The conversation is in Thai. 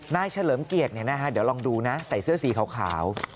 นายเฉลิมเกียรติเนี่ยนะฮะเดี๋ยวลองดูนะใส่เสื้อสีขาว